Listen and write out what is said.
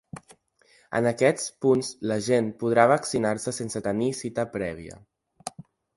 En aquests punts la gent podrà vaccinar-se sense tenir cita prèvia.